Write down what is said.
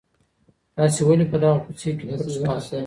تاسي ولي په دغه کوڅې کي پټ سواست؟